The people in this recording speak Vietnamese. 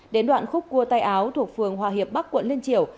đến đoạn khúc cua tay áo thuộc phường hòa hiệp bắc quận liên triều